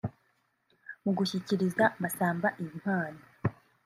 Mu gushyikiriza Masamba iyi mpano